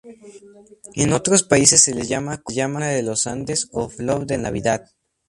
En otros países, se le llama "Corona de los Andes" o "Flor de Navidad".